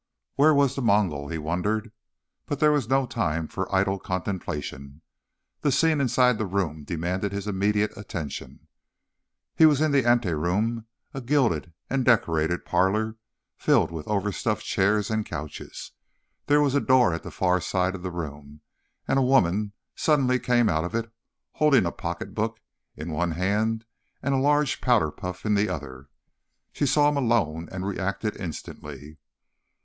Where was the Mongol? he wondered. But there was no time for idle contemplation. The scene inside the room demanded his immediate attention. He was in the anteroom, a gilded and decorated parlor filled with overstuffed chairs and couches. There was a door at the far side of the room, and a woman suddenly came out of it holding a pocketbook in one hand and a large powder puff in the other. She saw Malone and reacted instantly.